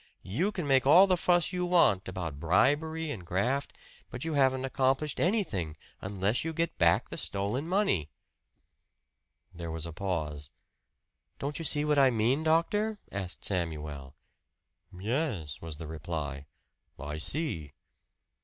You can make all the fuss you want about bribery and graft, but you haven't accomplished anything unless you get back the stolen money." There was a pause. "Don't you see what I mean, doctor?" asked Samuel. "Yes," was the reply, "I see."